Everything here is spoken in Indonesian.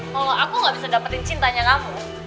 kalau aku gak bisa dapetin cintanya kamu